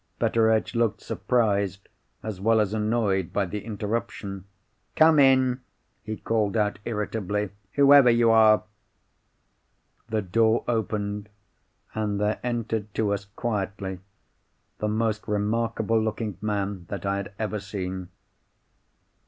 Betteredge looked surprised as well as annoyed by the interruption. "Come in," he called out, irritably, "whoever you are!" The door opened, and there entered to us, quietly, the most remarkable looking man that I had ever seen.